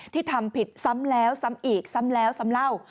ทำผิดซ้ำแล้วซ้ำอีกซ้ำแล้วซ้ำเล่า